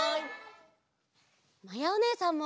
まやおねえさんも！